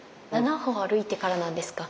７歩歩いてからなんですか？